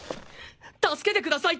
助けてください。